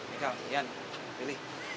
nekal ian lili